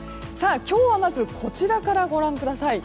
今日はまず、こちらからご覧ください。